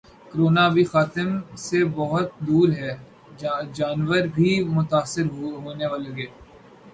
’corona ابھی خاتمے سے بہت دور ہے‘ جانور بھی متاثر ہونے لگے